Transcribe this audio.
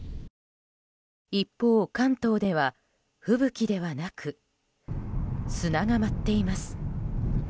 一方、関東では吹雪ではなく砂が舞っています。